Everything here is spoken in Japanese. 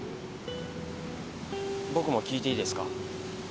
僕も聞いていいですか？